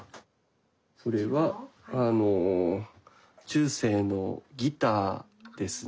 それはあの中世のギターですね。